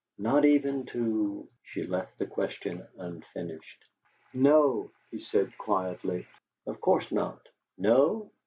"Not even to " She left the question unfinished. "No," he said, quietly. "Of course not." "No?